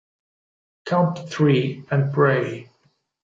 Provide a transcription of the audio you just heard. Count Three and Pray